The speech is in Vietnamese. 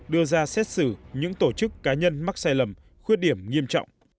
đưa ra xét xử những tổ chức cá nhân mắc sai lầm khuyết điểm nghiêm trọng